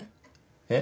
えっ？